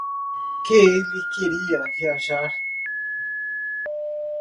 Que ele queria viajar.